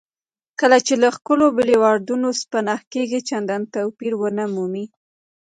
کله چې له ښکلو بولیوارډونو پناه کېږئ چندان توپیر ونه مومئ.